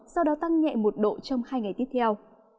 sau đó tăng nhẹ một độ trong hai ngày tiếp theo